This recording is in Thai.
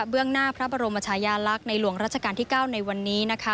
เบื้องหน้าพระบรมชายาลักษณ์ในหลวงรัชกาลที่๙ในวันนี้